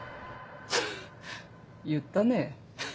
ハッハ言ったね。